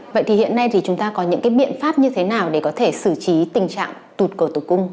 vậy thì hiện nay chúng ta có những biện pháp như thế nào để có thể xử trí tình trạng tụt cổ tục cung